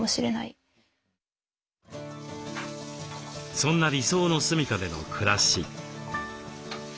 そんな理想の住みかでの暮らし。